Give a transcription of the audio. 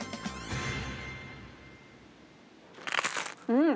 うん！